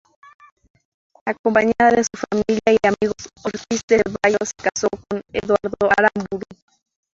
Acompañada de su familia y amigos, Ortiz de Zevallos se casó con Eduardo Aramburú.